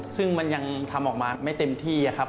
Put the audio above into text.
ซึ่งมันยังทำออกมาไม่เต็มที่ครับ